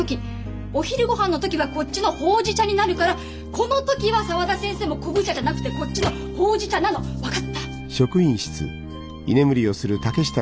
お昼ごはんの時はこっちのほうじ茶になるからこの時は沢田先生も昆布茶じゃなくてこっちのほうじ茶なの分かった？